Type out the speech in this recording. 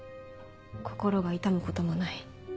心が痛むこともない。